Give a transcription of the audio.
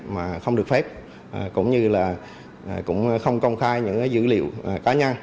mà không được phép cũng như là cũng không công khai những dữ liệu cá nhân